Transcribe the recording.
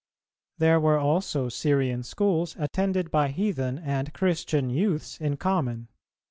[291:5] There were also Syrian schools attended by heathen and Christian youths in common.